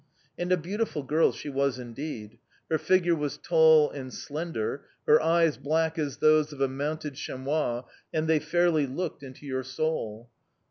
"And a beautiful girl she was indeed; her figure was tall and slender, her eyes black as those of a mountain chamois, and they fairly looked into your soul.